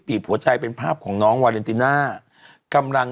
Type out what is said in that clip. บีบหัวใจเป็นภาพของน้องวาเลนติน่า